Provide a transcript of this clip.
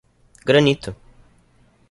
Granito